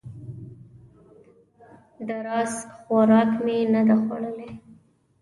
دا راز خوراک مې نه ده خوړلی